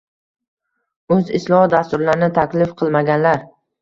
o‘z islohot dasturlarini taklif qilmaganlar